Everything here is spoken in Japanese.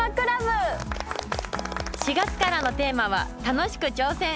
４月からのテーマは「楽しく！挑戦！」。